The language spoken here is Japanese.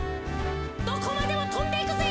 どこまでもとんでいくぜ。